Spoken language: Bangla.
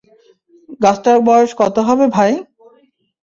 গাছটার বয়স কত হবে ভাই?